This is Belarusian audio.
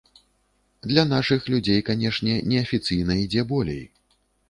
Для нашых людзей, канешне, неафіцыйна ідзе болей.